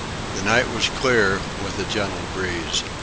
The night was clear, with a gentle breeze.